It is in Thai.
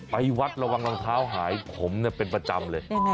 ไปวัดระวังรองเท้าหายผมเป็นประจำเลย